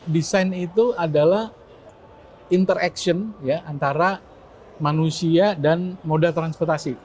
desain itu adalah interaction antara manusia dan moda transportasi